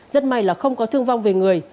rất may là không có thương vong về người